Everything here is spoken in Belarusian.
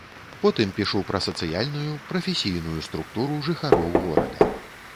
Потым пішу пра сацыяльную, прафесійную структуру жыхароў горада.